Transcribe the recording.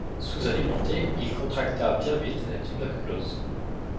Sous-alimenté, il contracta bien vite la tuberculose.